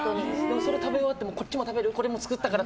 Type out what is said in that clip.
それを食べ終わってもこっちも食べる？